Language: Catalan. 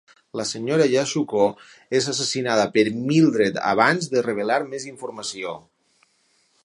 La senyora Yashuko és assassinada per Mildred abans de revelar més informació.